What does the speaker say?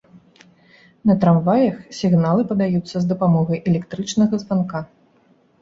На трамваях сігналы падаюцца з дапамогай электрычнага званка.